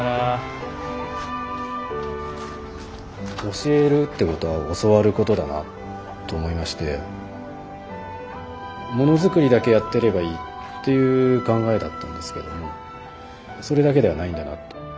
教えるってことは教わることだなと思いましてものづくりだけやってればいいっていう考えだったんですけどもそれだけではないんだなって。